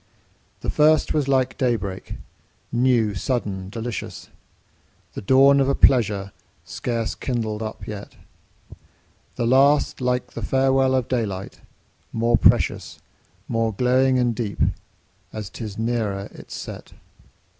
The first was like day break, new, sudden, delicious, The dawn of a pleasure scarce kindled up yet; The last like the farewell of daylight, more precious, More glowing and deep, as 'tis nearer its set.